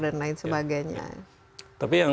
dan lain sebagainya tapi